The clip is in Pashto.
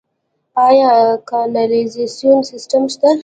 آیا کانالیزاسیون سیستم شته؟